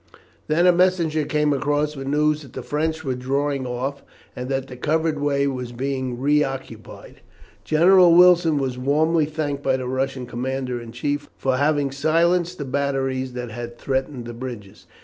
Then a messenger came across with the news that the French were drawing off, and that the covered way was being reoccupied. General Wilson was warmly thanked by the Russian commander in chief for having silenced the batteries that had threatened the bridges.